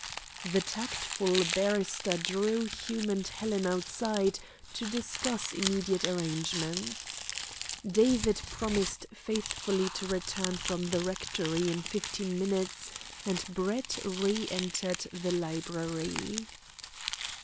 The tactful barrister drew Hume and Helen outside to discuss immediate arrangements. David promised faithfully to return from the rectory in fifteen minutes, and Brett re entered the library.